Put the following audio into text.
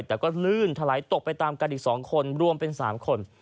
แต่ก็ลื่นถลายตกไปตามกันอีก๒คนรวมเป็น๓คน